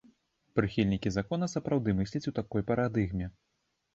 Прыхільнікі закона сапраўды мысляць у такой парадыгме.